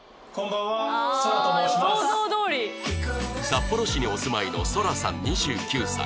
札幌市にお住まいのそらさん２９歳